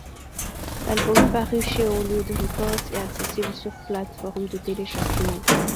L'album est paru chez Hollywood Records et accessible sur plateforme de téléchargement.